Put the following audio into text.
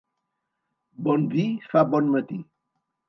Bon vi fa bon matí.